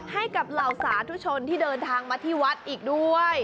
เหล่าสาธุชนที่เดินทางมาที่วัดอีกด้วย